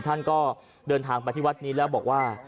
ท่านก็เดินทางไปที่วัดนี้แล้วบอกว่า